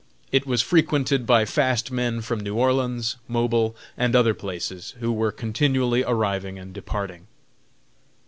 It was frequented by fast men from New Orleans, Mobile, and other places, who were continually arriving and departing.